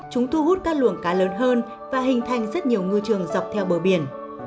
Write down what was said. chúng thu hút các luồng cá lớn hơn và hình thành rất nhiều ngư trường dọc theo bờ biển